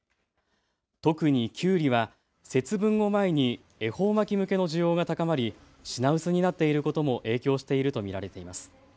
特にきゅうりは節分を前に恵方巻き向けの需要が高まり品薄になっていることも影響していると見られています。